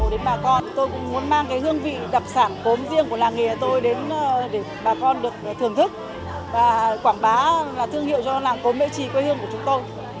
để bà con được thưởng thức và quảng bá là thương hiệu do làng cốm mễ trì quê hương của chúng tôi